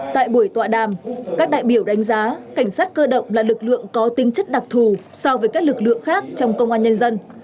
tại buổi tọa đàm các đại biểu đánh giá cảnh sát cơ động là lực lượng có tính chất đặc thù so với các lực lượng khác trong công an nhân dân